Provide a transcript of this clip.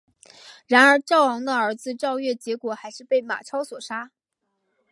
然而赵昂的儿子赵月结果还是被马超所杀。